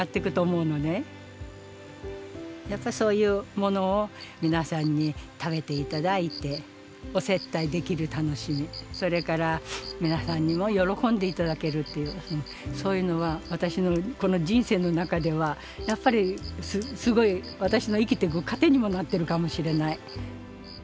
やっぱりそういうものを皆さんに食べて頂いてお接待できる楽しみそれから皆さんにも喜んでいただけるっていうそういうのは私のこの人生の中ではやっぱりすごい私の生きてく糧にもなってるかもしれない。